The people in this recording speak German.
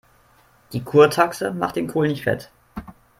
Die Kurtaxe macht den Kohl nicht fett.